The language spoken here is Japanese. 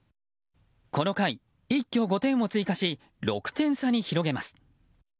この回、一挙５点を追加し６点差に広げます。